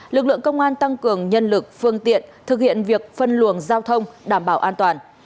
lực lượng công an tăng cường nhân lực phương tiện thực hiện việc phân luồng giao thông đảm bảo an toàn